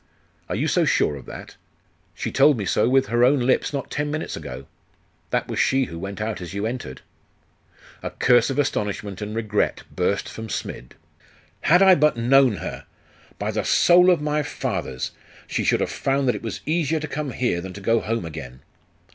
'Are you so sure of that?' 'She told me so with her own lips not ten minutes ago. That was she who went out as you entered!' A curse of astonishment and regret burst from Smid.... 'Had I but known her! By the soul of my fathers, she should have found that it was easier to come here than to go home again!